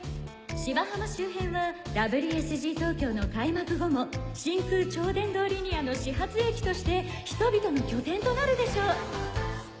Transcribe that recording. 芝浜周辺はＷＳＧ東京の開幕後も真空超電導リニアの始発駅として人々の拠点となるでしょう。